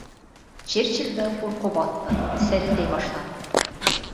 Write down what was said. Черчиллде ҡурҡыу баҫты, сәрелдәй башланы: